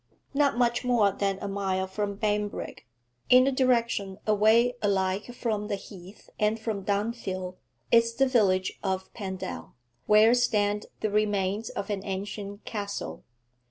Not much more than a mile from Banbrigg, in a direction away alike from the Heath and from Dunfield, is the village of Pendal, where stand the remains of an ancient castle.